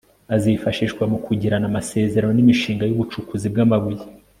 azifashishwa mu kugirana amasezerano n'imishinga y'ubucukuzi bw'amabuye